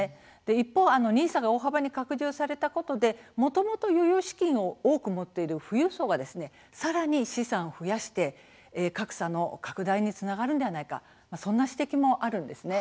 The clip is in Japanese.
一方、ＮＩＳＡが大幅に拡充されたことでもともと余裕資金を多く持っている富裕層がさらに資産を増やして、格差の拡大につながるのではないかそんな指摘もあるんですね。